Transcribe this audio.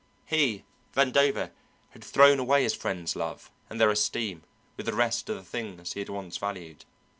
He, Vandover, had thrown away his friends' love and their esteem with the rest of the things he had once valued.